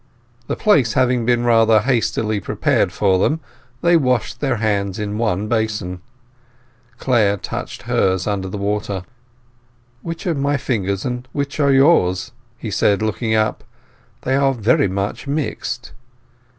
The place having been rather hastily prepared for them, they washed their hands in one basin. Clare touched hers under the water. "Which are my fingers and which are yours?" he said, looking up. "They are very much mixed."